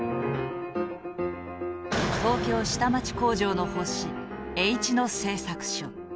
東京下町工場の星Ｈ野製作所。